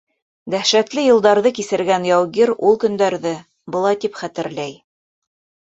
Дәһшәтле йылдарҙы кисергән яугир ул көндәрҙе былай тип хәтерләй: